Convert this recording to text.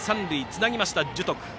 つなぎました、樹徳。